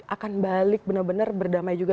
akan balik benar benar berdamai juga